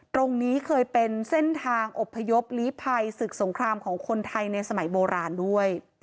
ตรงนี้เคยเป็นเส้นทางอบพยพลีภัยศึกสงครามของคนไทยในสมัยโบราณด้วย